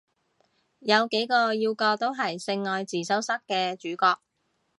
有幾個要角都係性愛自修室嘅主角